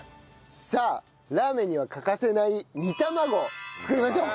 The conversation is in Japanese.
さあラーメンには欠かせない煮玉子作りましょう！